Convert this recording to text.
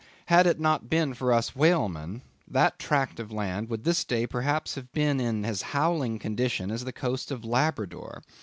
Had it not been for us whalemen, that tract of land would this day perhaps have been in as howling condition as the coast of Labrador.